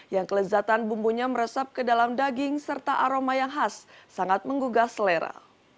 yang kelezatan bumbunya meresap ke dalam daging serta aroma yang khas sangat menggugah selera